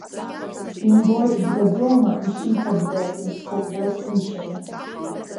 Имбои, дгаӡоума, ишиҵабгаз дызқәыӷәӷәоз ишьаҭа.